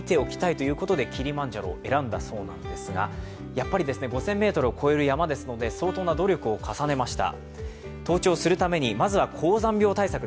やっぱり５０００ｍを超える山ですので相当な努力を重ねました。